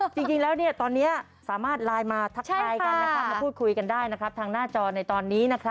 จริงแล้วตอนนี้สามารถไลน์มาทักทายกันมาพูดคุยกันได้ทางหน้าจอในตอนนี้